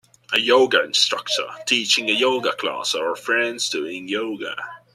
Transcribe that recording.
A yoga instructor teaching a yoga class or friends doing yoga.